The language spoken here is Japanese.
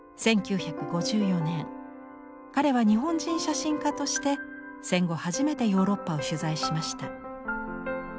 １９５４年彼は日本人写真家として戦後初めてヨーロッパを取材しました。